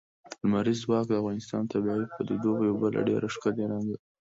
لمریز ځواک د افغانستان د طبیعي پدیدو یو بل ډېر ښکلی رنګ دی.